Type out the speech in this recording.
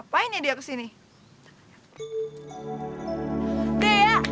kayaknya ke vinster ya